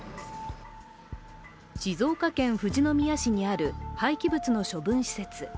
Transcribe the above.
静岡県富士宮市にある廃棄物の処分施設。